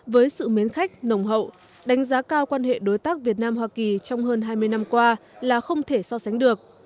với sự mến khách nồng hậu đánh giá cao quan hệ đối tác việt nam hoa kỳ trong hơn hai mươi năm qua là không thể so sánh được